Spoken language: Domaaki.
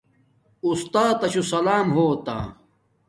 اُستاتا شو سلام ہوتا